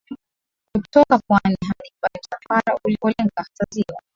kutoka pwani hadi pale msafara ulipolenga hata Ziwa